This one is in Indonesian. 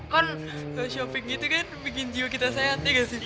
kan shopping gitu kan bikin jiwa kita sehat ya nggak sih